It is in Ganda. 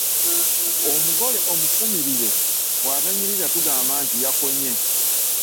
Omugole omufumirire bw’atanyirira tugamba nti yakonye.